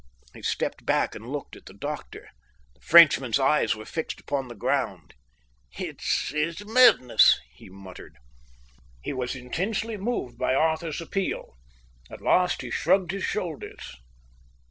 He stepped back and looked at the doctor. The Frenchman's eyes were fixed upon the ground. "It's madness," he muttered. He was intensely moved by Arthur's appeal. At last he shrugged his shoulders.